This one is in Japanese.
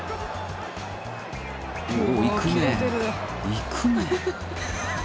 いくねー！